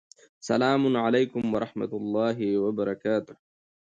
سلام علیکم ورحمته الله وبرکاته